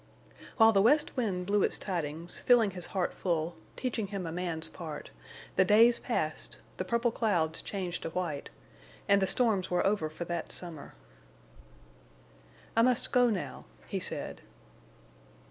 While the west wind blew its tidings, filling his heart full, teaching him a man's part, the days passed, the purple clouds changed to white, and the storms were over for that summer. "I must go now," he said.